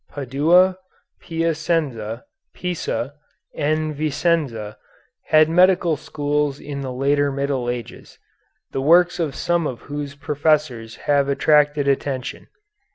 Padua, Piacenza, Pisa, and Vicenza had medical schools in the later Middle Ages, the works of some of whose professors have attracted attention.